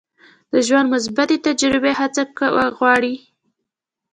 د ژوند مثبتې تجربې هڅه غواړي.